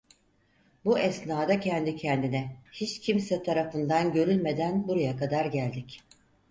Bu esnada kendi kendine: "Hiç kimse tarafından görülmeden buraya kadar geldik."